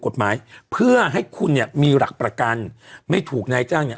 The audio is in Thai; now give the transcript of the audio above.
กฎหมายเพื่อให้คุณเนี่ยมีหลักประกันไม่ถูกนายจ้างเนี้ย